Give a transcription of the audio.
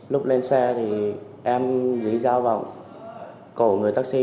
lúc lên xe thì em dưới dao vào cổ người taxi